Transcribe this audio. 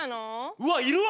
うわいるわ！